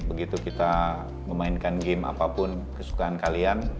begitu kita memainkan game apapun kesukaan kalian